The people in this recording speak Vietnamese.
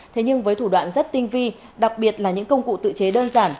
thế nhưng với thủ đoạn rất tinh vi đặc biệt là những công cụ tự chế đơn giản